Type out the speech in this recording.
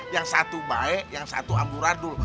yang satu baik yang satu amburadul